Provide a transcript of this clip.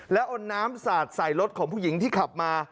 แล้วเอาน้ำสาดใส่รถของผู้หญิงที่ขับมา